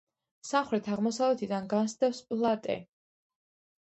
სამხრეთ-აღმოსავლეთიდან გასდევს ფლატე.